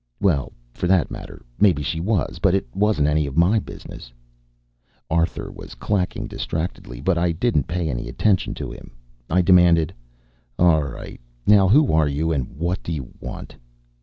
Well, for that matter, maybe she was; but it wasn't any of my business. Arthur was clacking distractedly, but I didn't pay any attention to him. I demanded: "All right, now who are you and what do you want?"